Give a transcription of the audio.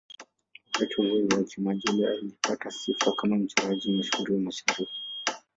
Wakati wa uhai wake, Majolle alipata sifa kama mchoraji mashuhuri wa Mashariki.